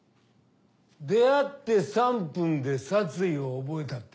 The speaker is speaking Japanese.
出会って３分で殺意を覚えたってよ。